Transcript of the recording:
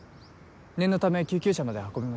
念のため救急車まで運びましょう。